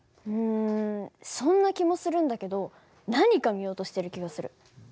うんそんな気もするんだけど何か見落としてる気がする。